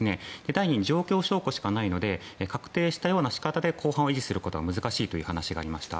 第二に状況証拠しかないので確定したような状態で公判を維持するのは難しいということでした。